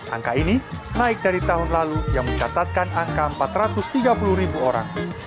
angka ini naik dari tahun lalu yang mencatatkan angka empat ratus tiga puluh ribu orang